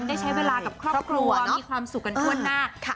ได้ใช้เวลากับครอบครัวมีความสุขกันทั่วหน้า